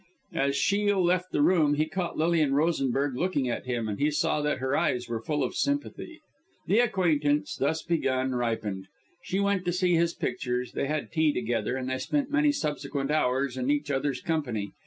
As Shiel left the room he caught Lilian Rosenberg looking at him; and he saw that her eyes were full of sympathy. The acquaintance, thus begun, ripened. She went to see his pictures, they had tea together, and they spent many subsequent hours in each other's company.